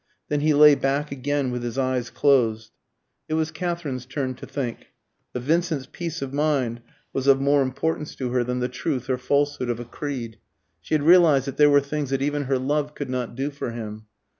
Then he lay back again with his eyes closed. It was Katherine's turn to think. But Vincent's peace of mind was of more importance to her than the truth or falsehood of a creed. She had realised that there were things that even her love could not do for him.